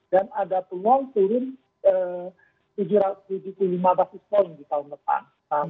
dan ada peluang turun tujuh puluh lima basis poin di tahun depan